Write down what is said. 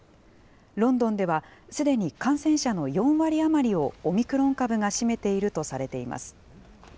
ロンドンでは、すでに感染者の４割余りをオミクロン株が占めているとされています。